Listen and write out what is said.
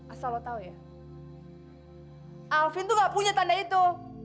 asal lo tau ya alvin tuh gak punya tanda itu